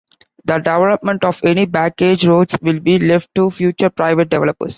The development of any "backage" roads will be left to future private developers.